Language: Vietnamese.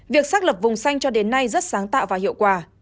việc xác lập vùng xanh cho đến nay rất sáng tạo và hiệu quả